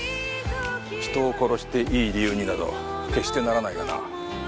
人を殺していい理由になど決してならないがな。